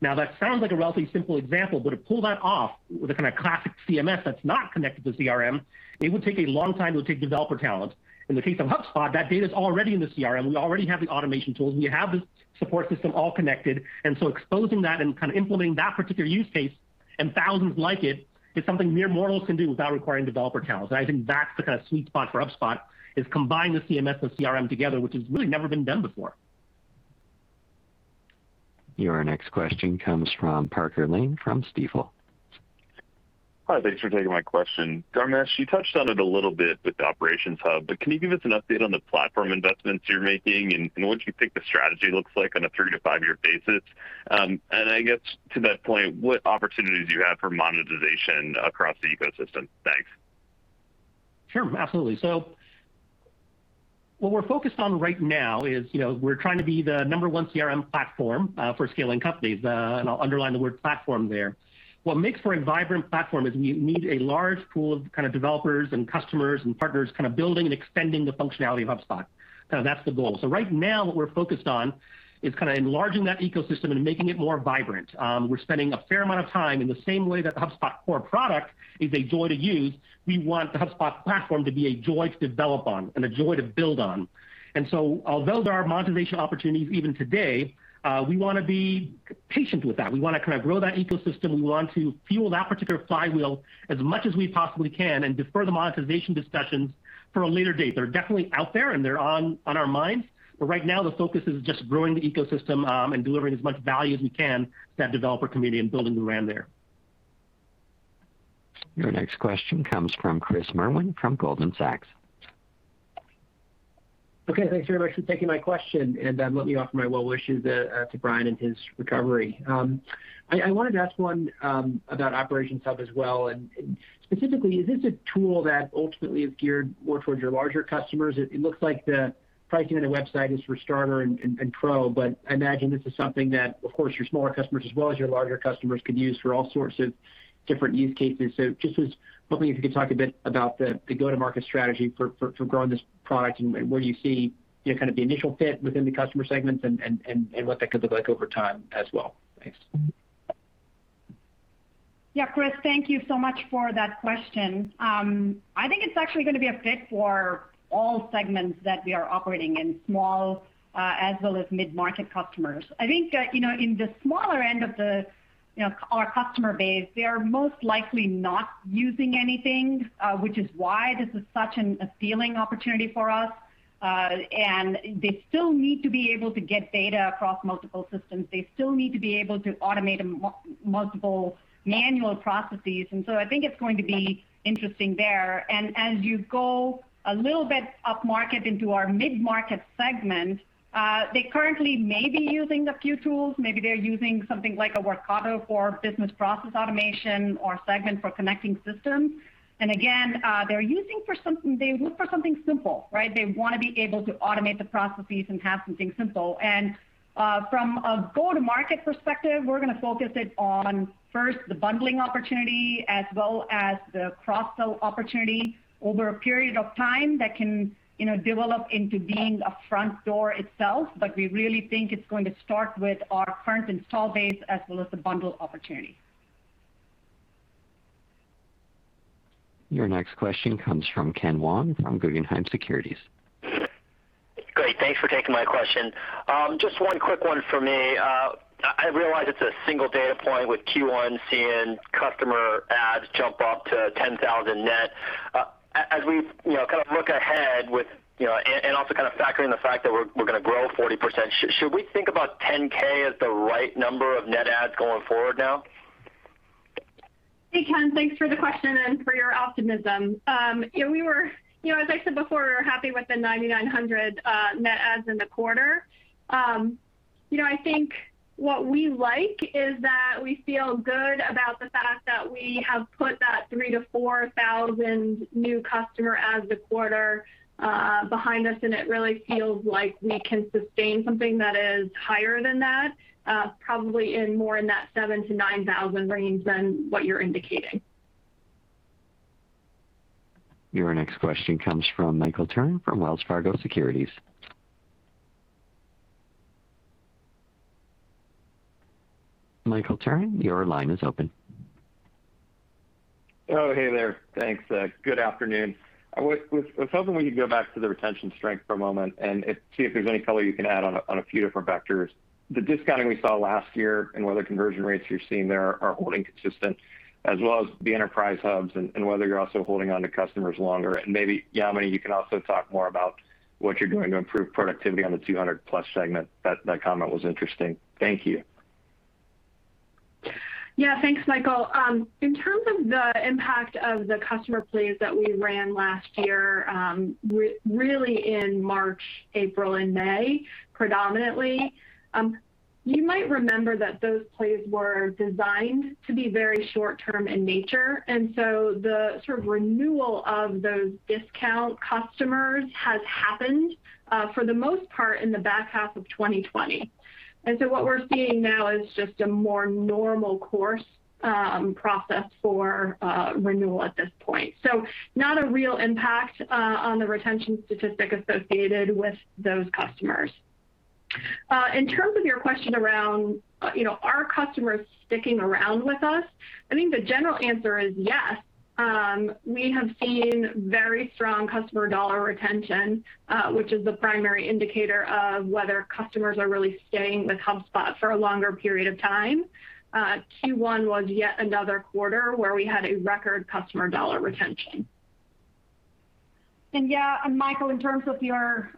That sounds like a relatively simple example, but to pull that off with a kind of classic CMS that's not connected to CRM, it would take a long time. It would take developer talent. In the case of HubSpot, that data's already in the CRM. We already have the automation tools, and we have the support system all connected. Exposing that and kind of implementing that particular use case and thousands like it is something mere mortals can do without requiring developer talent. I think that's the kind of sweet spot for HubSpot, is combine the CMS and CRM together, which has really never been done before. Your next question comes from Parker Lane from Stifel. Hi, thanks for taking my question. Dharmesh, you touched on it a little bit with the Operations Hub, but can you give us an update on the platform investments you're making and what you think the strategy looks like on a three-to-five-year basis? I guess to that point, what opportunities do you have for monetization across the ecosystem? Thanks. Sure, absolutely. What we're focused on right now is we're trying to be the number one CRM platform for scaling companies. I'll underline the word platform there. What makes for a vibrant platform is you need a large pool of developers and customers and partners kind of building and extending the functionality of HubSpot. That's the goal. Right now, what we're focused on is enlarging that ecosystem and making it more vibrant. We're spending a fair amount of time in the same way that the HubSpot core product is a joy to use, we want the HubSpot platform to be a joy to develop on and a joy to build on. Although there are monetization opportunities even today, we want to be patient with that. We want to grow that ecosystem. We want to fuel that particular flywheel as much as we possibly can and defer the monetization discussions for a later date. They're definitely out there, and they're on our minds. Right now, the focus is just growing the ecosystem, and delivering as much value as we can to that developer community and building the brand there. Your next question comes from Chris Merwin from Goldman Sachs. Thanks very much for taking my question, and let me offer my well wishes to Brian and his recovery. I wanted to ask one about Operations Hub as well, and specifically, is this a tool that ultimately is geared more towards your larger customers? It looks like the pricing on the website is for Starter and Pro, but I imagine this is something that, of course, your smaller customers as well as your larger customers could use for all sorts of different use cases. Just was hoping you could talk a bit about the go-to-market strategy for growing this product and where you see the initial fit within the customer segments and what that could look like over time as well. Thanks. Yeah, Chris, thank you so much for that question. I think it's actually going to be a fit for all segments that we are operating in, small as well as mid-market customers. I think, in the smaller end of our customer base, they are most likely not using anything, which is why this is such an appealing opportunity for us. They still need to be able to get data across multiple systems. They still need to be able to automate multiple manual processes. I think it's going to be interesting there. As you go a little bit upmarket into our mid-market segment, they currently may be using a few tools. Maybe they're using something like a Workato for business process automation or Segment for connecting systems. Again, they look for something simple, right? They want to be able to automate the processes and have something simple. From a go-to-market perspective, we're going to focus it on, first, the bundling opportunity as well as the cross-sell opportunity over a period of time that can develop into being a front door itself. We really think it's going to start with our current install base as well as the bundle opportunity. Your next question comes from Ken Wong from Guggenheim Securities. Great. Thanks for taking my question. Just one quick one for me. I realize it's a single data point with Q1 seeing customer adds jump up to 10,000 net. Also factoring the fact that we're going to grow 40%, should we think about 10,000 as the right number of net adds going forward now? Hey, Ken. Thanks for the question and for your optimism. As I said before, we're happy with the 9,900 net adds in the quarter. I think what we like is that we feel good about the fact that we have put that 3,000-4,000 new customer adds the quarter behind us, and it really feels like we can sustain something that is higher than that. Probably more in that 7,000-9,000 range than what you're indicating. Your next question comes from Michael Turrin from Wells Fargo Securities. Michael Turrin, your line is open. Oh, hey there. Thanks. Good afternoon. I was hoping we could go back to the retention strength for a moment and see if there's any color you can add on a few different vectors. The discounting we saw last year and whether conversion rates you're seeing there are holding consistent, as well as the Enterprise Hubs and whether you're also holding onto customers longer. Maybe, Yamini, you can also talk more about what you're doing to improve productivity on the 200+ segment. That comment was interesting. Thank you. Thanks, Michael. In terms of the impact of the customer plays that we ran last year, really in March, April, and May predominantly, you might remember that those plays were designed to be very short-term in nature. The sort of renewal of those discount customers has happened, for the most part, in the back half of 2020. What we're seeing now is just a more normal course process for renewal at this point. Not a real impact on the retention statistic associated with those customers. In terms of your question around, are customers sticking around with us? I think the general answer is yes. We have seen very strong customer dollar retention, which is the primary indicator of whether customers are really staying with HubSpot for a longer period of time. Q1 was yet another quarter where we had a record customer dollar retention. Yeah. Michael, in terms of your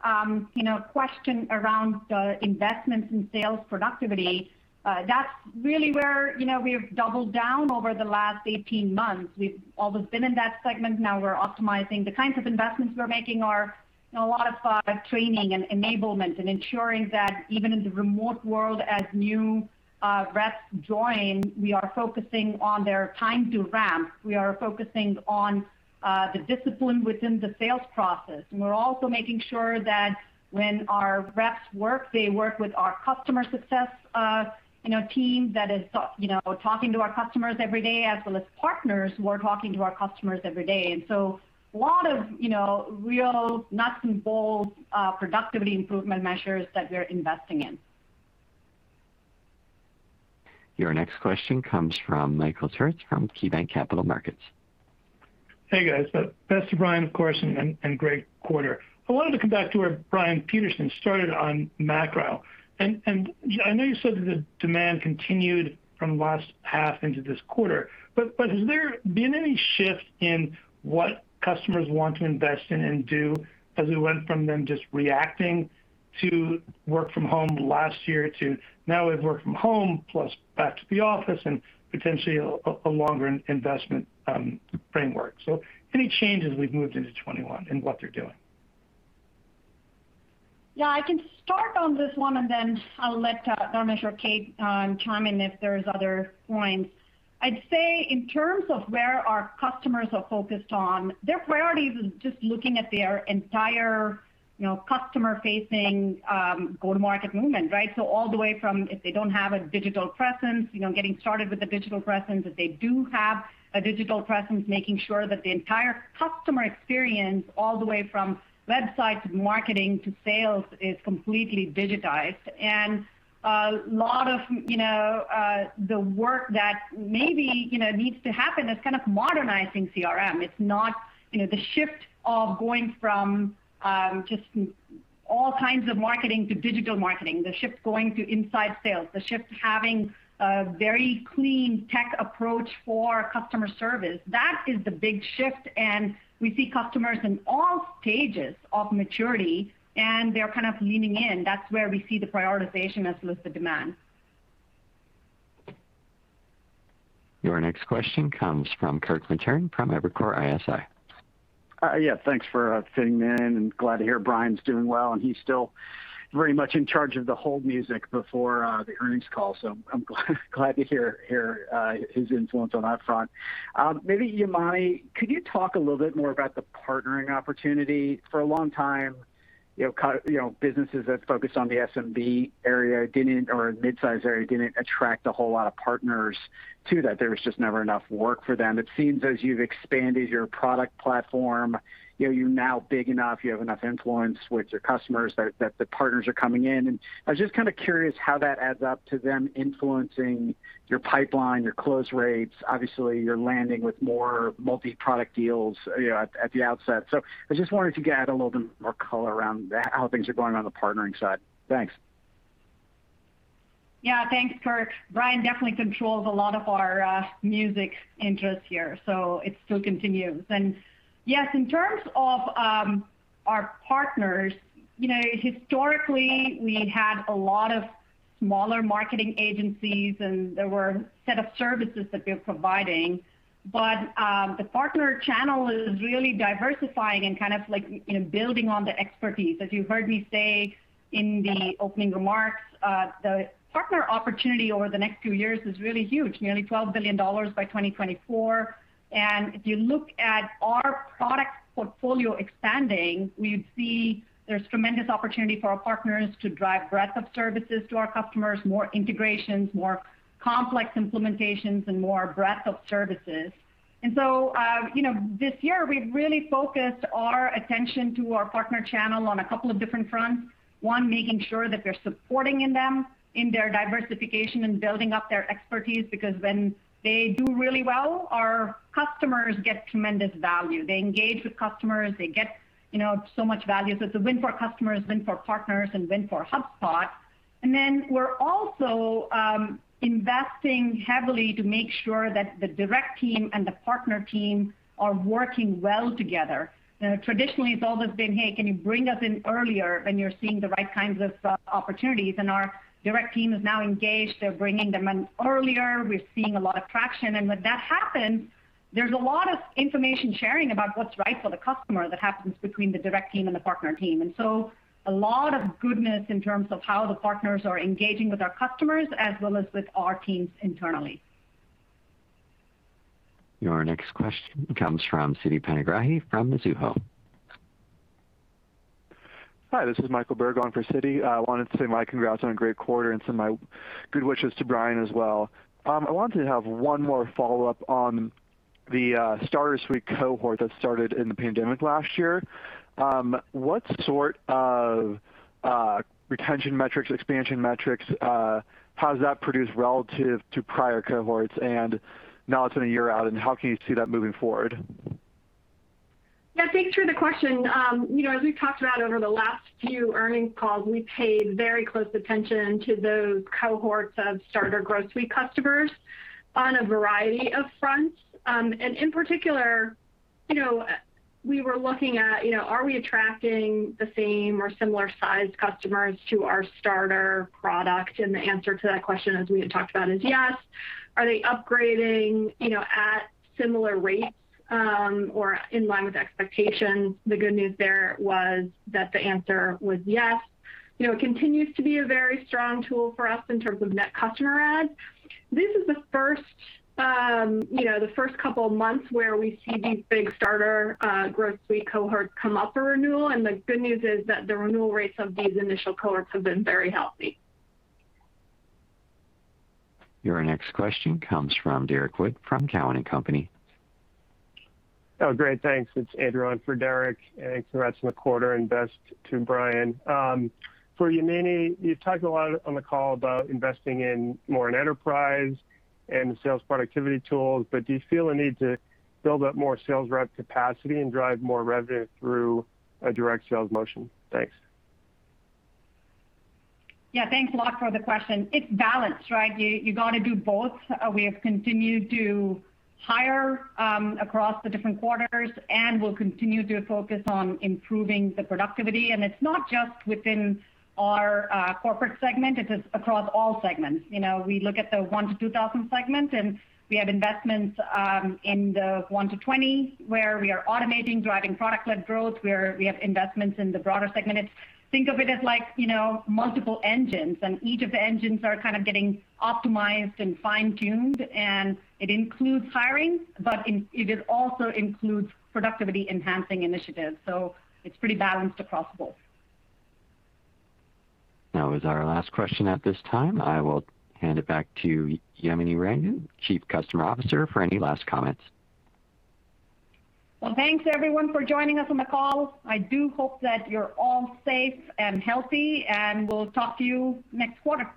question around the investments in sales productivity, that's really where we've doubled down over the last 18 months. We've always been in that segment. Now we're optimizing. The kinds of investments we're making are a lot of training and enablement and ensuring that even in the remote world, as new reps join, we are focusing on their time to ramp. We are focusing on the discipline within the sales process. We're also making sure that when our reps work, they work with our customer success team that is talking to our customers every day, as well as partners who are talking to our customers every day. So a lot of real nuts-and-bolts productivity improvement measures that we're investing in. Your next question comes from Michael Turits from KeyBanc Capital Markets. Hey, guys. Best to Brian, of course, and great quarter. I wanted to come back to where Brian Peterson started on macro. I know you said that the demand continued from last half into this quarter, but has there been any shift in what customers want to invest in and do as we went from them just reacting to work from home last year to now we've worked from home plus back to the office and potentially a longer investment framework. Any changes we've moved into 2021 in what they're doing? Yeah, I can start on this one and then I'll let Dharmesh or Kate chime in if there's other points. I'd say in terms of where our customers are focused on, their priorities is just looking at their entire customer-facing go-to-market movement, right? All the way from if they don't have a digital presence, getting started with a digital presence. If they do have a digital presence, making sure that the entire customer experience, all the way from website to marketing to sales, is completely digitized. A lot of the work that maybe needs to happen is kind of modernizing CRM. It's not the shift of going from just all kinds of marketing to digital marketing, the shift going to inside sales, the shift to having a very clean tech approach for customer service. That is the big shift. We see customers in all stages of maturity, and they're kind of leaning in. That's where we see the prioritization as elicited demand. Your next question comes from Kirk Materne from Evercore ISI. Yeah. Thanks for fitting me in. Glad to hear Brian's doing well. He's still very much in charge of the hold music before the earnings call. I'm glad to hear his influence on that front. Maybe Yamini, could you talk a little bit more about the partnering opportunity? For a long time, businesses that focused on the SMB area or midsize area didn't attract a whole lot of partners to that. There was just never enough work for them. It seems as you've expanded your product platform, you're now big enough, you have enough influence with your customers that the partners are coming in. I was just kind of curious how that adds up to them influencing your pipeline, your close rates. Obviously, you're landing with more multi-product deals at the outset. I just wanted to get a little bit more color around how things are going on the partnering side. Thanks. Yeah. Thanks, Kirk. Brian definitely controls a lot of our music interests here, so it still continues. Yes, in terms of our partners, historically we'd had a lot of smaller marketing agencies, and there were a set of services that we're providing. The partner channel is really diversifying and kind of building on the expertise. As you heard me say in the opening remarks, the partner opportunity over the next few years is really huge, nearly $12 billion by 2024. If you look at our product portfolio expanding, we see there's tremendous opportunity for our partners to drive breadth of services to our customers, more integrations, more complex implementations, and more breadth of services. This year we've really focused our attention to our partner channel on a couple of different fronts. One, making sure that we're supporting them in their diversification and building up their expertise, because when they do really well, our customers get tremendous value. They engage with customers, they get so much value. It's a win for customers, win for partners, and win for HubSpot. We're also investing heavily to make sure that the direct team and the partner team are working well together. Traditionally, it's always been, "Hey, can you bring us in earlier when you're seeing the right kinds of opportunities?" Our direct team is now engaged. They're bringing them in earlier. We're seeing a lot of traction. When that happens, there's a lot of information sharing about what's right for the customer that happens between the direct team and the partner team. A lot of goodness in terms of how the partners are engaging with our customers as well as with our teams internally. Your next question comes from Siti Panigrahi from Mizuho. Hi, this is Michael Berg on for Siti. I wanted to say my congrats on a great quarter and send my good wishes to Brian as well. I wanted to have one more follow-up on the Starter Suite cohort that started in the pandemic last year. What sort of retention metrics, expansion metrics, how does that produce relative to prior cohorts? Now it's been a year out, and how can you see that moving forward? Yeah, thanks for the question. As we've talked about over the last few earnings calls, we paid very close attention to those cohorts of Starter Growth Suite customers on a variety of fronts. In particular, we were looking at are we attracting the same or similar-sized customers to our starter product? The answer to that question, as we had talked about, is yes. Are they upgrading at similar rates, or in line with expectations? The good news there was that the answer was yes. It continues to be a very strong tool for us in terms of net customer add. This is the first couple of months where we see these big Starter Growth Suite cohorts come up for renewal, and the good news is that the renewal rates of these initial cohorts have been very healthy. Your next question comes from Derrick Wood from Cowen and Company. Great. Thanks. It's Andrew on for Derrick, and congrats on the quarter and best to Brian. For Yamini, you've talked a lot on the call about investing in more in enterprise and the sales productivity tools, do you feel a need to build up more sales rep capacity and drive more revenue through a direct sales motion? Thanks. Yeah, thanks a lot for the question. It's balanced, right? You got to do both. We have continued to hire across the different quarters, and we'll continue to focus on improving the productivity. It's not just within our corporate segment, it is across all segments. We look at the 1-2,000 segments, we have investments in the 1-20, where we are automating, driving product-led growth, where we have investments in the broader segment. Think of it as multiple engines, each of the engines are kind of getting optimized and fine-tuned, it includes hiring, but it also includes productivity-enhancing initiatives. It's pretty balanced across both. That was our last question at this time. I will hand it back to Yamini Rangan, Chief Customer Officer, for any last comments. Well, thanks everyone for joining us on the call. I do hope that you're all safe and healthy, and we'll talk to you next quarter.